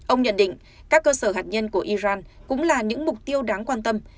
ông nhận định các cơ sở hạt nhân của iran cũng là những mục tiêu đáng quan tâm